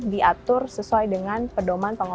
diatur sesuai dengan pedoman